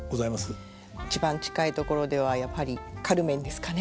一番近いところではやはり「カルメン」ですかね。